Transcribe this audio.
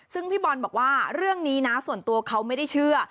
ซึ่งพี่บอลบอกว่าเรื่องนี้นะส่วนตัวเขาไม่ได้เชื่อ